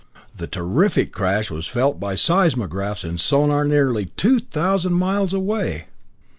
The terrific crash was felt by seismographs in Sonor nearly two thousand miles away!